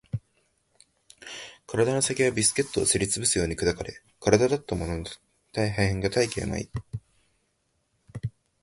体の先がビスケットをすり潰すように砕かれ、体だったものの破片が大気に舞い